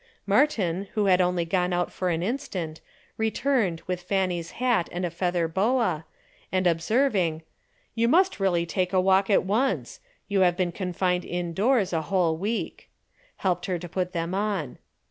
Martin, who had only gone out for an instant, returned with Fanny's hat and a feather boa, and observing, "You must really take a walk at once you have been confined indoors a whole week," helped her to put them on.